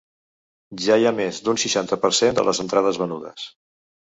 Ja hi ha més d’un seixanta per cent de les entrades venudes.